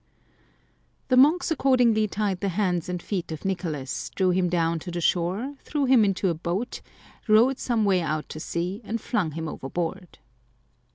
" The monks accordingly tied the hands and feet of Nicolas, drew him down to the shore, threw him into a boat, rowed some way out to sea, and flung him overboard.